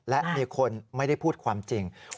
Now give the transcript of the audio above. และมีคนไม่ได้พูดความจริง